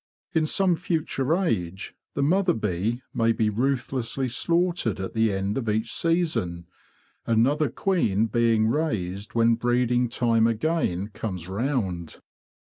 In some future age the mother bee may be ruthlessly slaughtered at the end of each season, another queen being raised when breeding time again comes round.